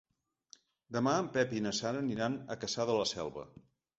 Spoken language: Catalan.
Demà en Pep i na Sara aniran a Cassà de la Selva.